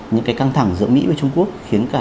những cái căng thẳng giữa mỹ và trung quốc khiến cả